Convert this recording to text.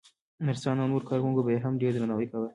نرسانو او نورو کارکوونکو به يې هم ډېر درناوی کاوه.